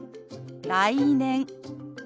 「来年」。